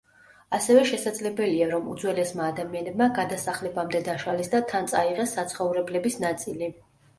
ასევე შესაძლებელია, რომ უძველესმა ადამიანებმა გადასახლებამდე დაშალეს და თან წაიღეს საცხოვრებლების ნაწილი.